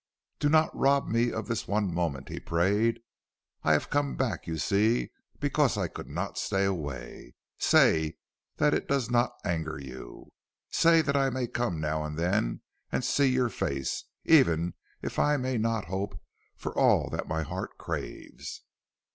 "Do not rob me of this one moment," he prayed. "I have come back, you see, because I could not stay away. Say that it does not anger you; say that I may come now and then and see your face, even if I may not hope for all that my heart craves."